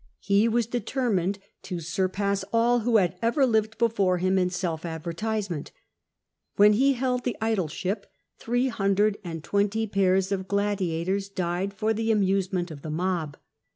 He was determined to surpass all who had ever lived before him in self advertisement. When he held the aedileship, three hundred and twenty pairs of gladiators died for the amusement of the mob.